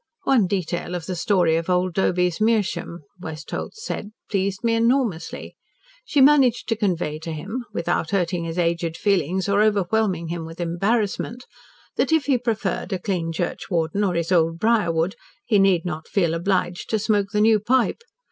"One detail of the story of old Doby's meerschaum," Westholt said, "pleased me enormously. She managed to convey to him without hurting his aged feelings or overwhelming him with embarrassment that if he preferred a clean churchwarden or his old briarwood, he need not feel obliged to smoke the new pipe.